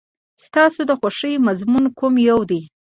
ستاسو د خوښې مضمون کوم یو دی؟